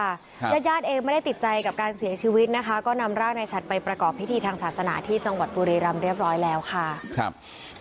ญาติญาติเองไม่ได้ติดใจกับการเสียชีวิตนะคะก็นำร่างในฉัดไปประกอบพิธีทางศาสนาที่จังหวัดบุรีรำเรียบร้อยแล้วค่ะครับ